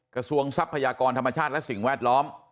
ทรัพยากรธรรมชาติและสิ่งแวดล้อม